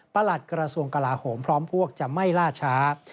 หลัดกระทรวงกลาโหมพร้อมพวกจะไม่ล่าช้า